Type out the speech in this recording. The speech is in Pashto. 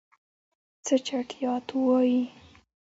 څه چټياټ وايي.